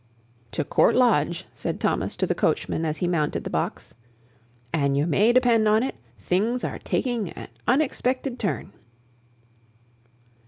"To Court Lodge," said Thomas to the coachman as he mounted the box; "an' you may depend on it, things are taking a uniggspected turn."